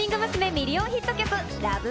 ミリオンヒット曲、ＬＯＶＥ